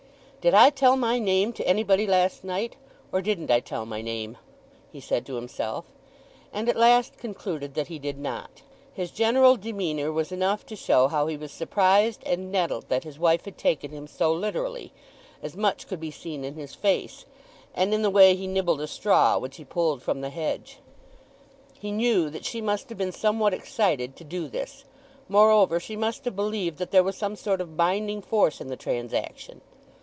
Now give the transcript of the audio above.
"Did I tell my name to anybody last night, or didn't I tell my name?" he said to himself; and at last concluded that he did not. His general demeanour was enough to show how he was surprised and nettled that his wife had taken him so literally—as much could be seen in his face, and in the way he nibbled a straw which he pulled from the hedge. He knew that she must have been somewhat excited to do this; moreover, she must have believed that there was some sort of binding force in the transaction.